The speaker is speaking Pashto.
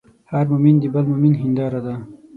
هر مؤمن د بل مؤمن هنداره ده.